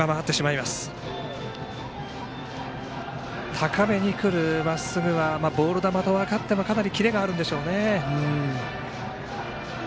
高めにくるまっすぐはボール球と分かってもかなりキレがあるんでしょうね。